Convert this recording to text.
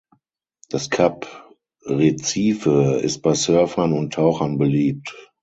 Das Kap Recife ist bei Surfern und Tauchern beliebt.